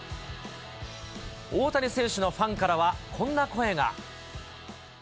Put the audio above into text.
大谷選手のファンからは、こんな声が。